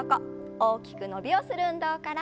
大きく伸びをする運動から。